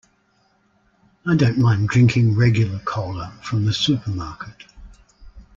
I don't mind drinking regular cola from the supermarket.